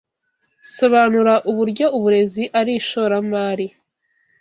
Sobanura uburyo uburezi ari ishoramari